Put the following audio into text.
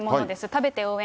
食べて応援！